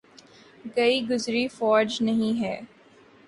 گئی گزری فوج نہیں ہے۔